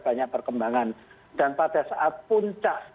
banyak perkembangan dan pada saat puncak